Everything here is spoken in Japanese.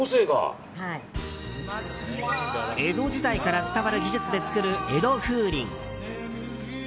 江戸時代から伝わる技術で作る江戸風鈴。